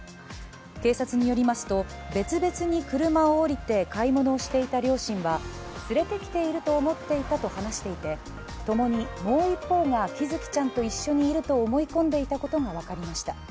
警察によりますと、別々に車を降りて買い物をしていた両親は連れてきていると思っていたと話していてともにもう一方が、喜寿生ちゃんと一緒にいると思い込んでいたことが分かりました。